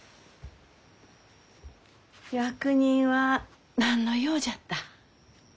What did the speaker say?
役人は何の用じゃった？